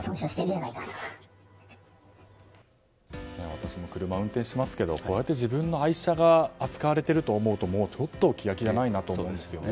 私も車を運転しますけどこうやって自分の愛車が扱われていると思うと気が気じゃないなと思うんですよね。